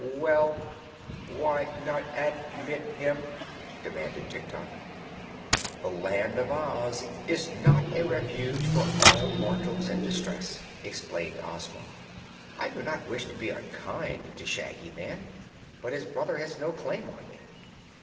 "Well, why not ad mit him?" demanded Tik Tok. "The Land of Oz is not a refuge for all mortals in distress," explained Ozma. "I do not wish to be unkind to Shaggy Man, but his brother has no claim on me."